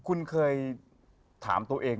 คุณเคยถามตัวเอง